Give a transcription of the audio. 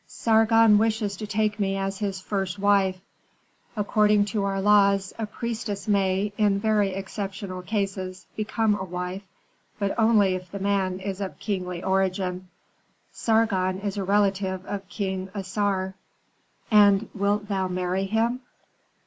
Sargon wishes to take me as his first wife. According to our laws a priestess may, in very exceptional cases, become a wife, but only if the man is of kingly origin. Sargon is a relative of King Assar." "And wilt thou marry him?"